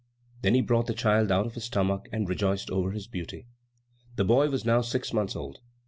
Then he brought the child out of his stomach and rejoiced over his beauty. The boy was now six months old.